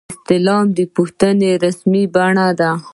استعلام د پوښتنې رسمي بڼه ده